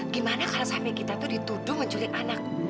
gimana kalau sampai kita dituduh menculik anak